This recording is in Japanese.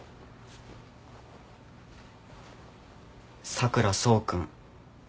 佐倉想君。